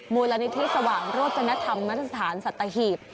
มูลนิธิสว่างโรจนธรรมสถานสัตหีบ